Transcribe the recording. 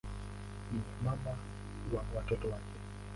Ni mama na watoto wake.